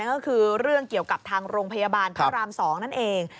ก็คือเรื่องเกี่ยวกับทางโรงพยาบาลพระราม๒นั่นเอง